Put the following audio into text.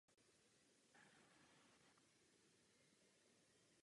Riedberger Horn patří mezi nejkrásnější německé hory pro lyžování v terénu.